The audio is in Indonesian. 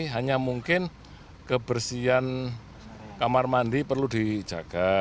hanya mungkin kebersihan kamar mandi perlu dijaga